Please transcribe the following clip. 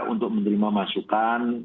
untuk menerima masukan